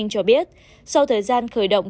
cho biết sau thời gian khởi động